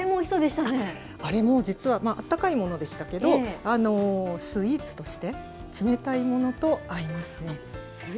あれも実はあったかいものでしたけど、スイーツとして、冷たいものと合いますね。